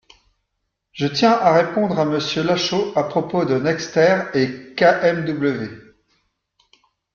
Je tiens à répondre à Monsieur Lachaud à propos de Nexter et KMW.